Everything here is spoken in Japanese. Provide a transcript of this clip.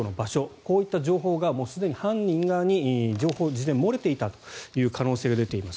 こういった情報がもうすでに犯人側に情報が事前に漏れていた可能性が出ています。